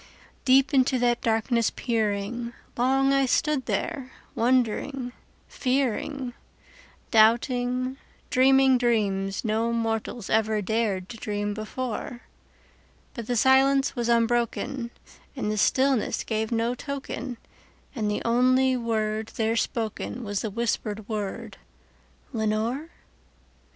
Deep into that darkness peering, long I stood there wondering, fearing, Doubting, dreaming dreams no mortals ever dared to dream before; But the silence was unbroken, and the stillness gave no token, And the only word there spoken was the whispered word, "Lenore?"